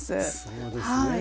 そうですね。